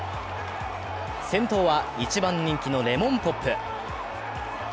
先頭は１番人気のレモンポップ。